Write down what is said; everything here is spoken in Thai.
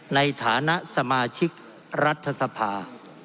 ในฐานะสมาชิกรัฐสภา